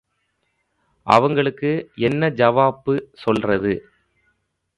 அவங்களுக்கு என்ன ஜவாப்பு சொல்றது?